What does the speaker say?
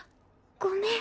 ごめん。